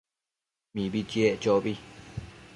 Mibi chiec chobi